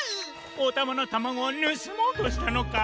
おたまのタマゴをぬすもうとしたのか？